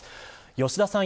吉田さん